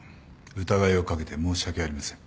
疑いを掛けて申し訳ありません。